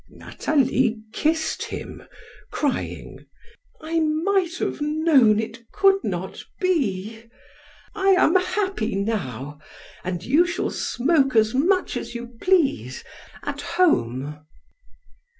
Nathalie kissed him, crying: "I might have known it could not be! I am happy now, and you shall smoke as much as you please, at home."